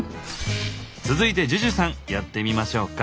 続いてＪＵＪＵさんやってみましょうか。